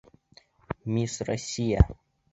Мисс Россия!